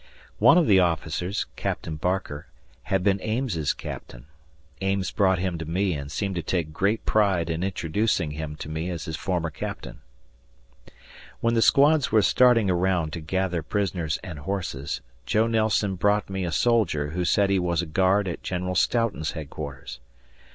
One of the officers, Captain Barker, had been Ames's captain. Ames brought him to me and seemed to take great pride in introducing him to me as his former captain. When the squads were starting around to gather prisoners and horses, Joe Nelson brought me a soldier who said he was a guard at General Stoughton's headquarters.